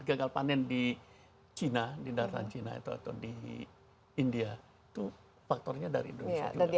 gagal panen di cina di daerah cina atau di india itu faktornya dari indonesia